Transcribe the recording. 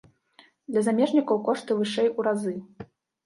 Для замежнікаў кошты вышэй у разы.